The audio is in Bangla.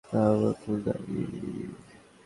আমার ফুলদানির কাছে যাওয়ার উপায় আছে।